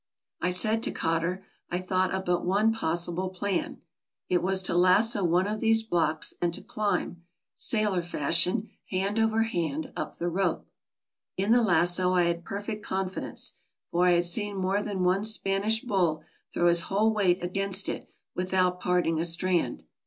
I said to Cotter, I thought of but one possible plan: it was to lasso one of these blocks, and to climb, sailor fashion, hand over hand, up the rope. In the lasso I had 110 TRAVELERS AND EXPLORERS perfect confidence, for I had seen more than one Spanish bull throw his whole weight against it without parting a strand.